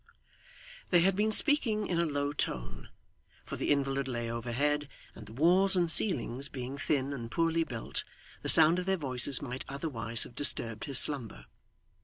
They had been speaking in a low tone, for the invalid lay overhead, and the walls and ceilings being thin and poorly built, the sound of their voices might otherwise have disturbed his slumber.